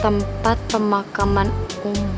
tempat pemakaman umum